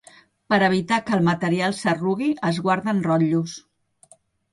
Per evitar que el material s'arrugui, es guarda en rotllos.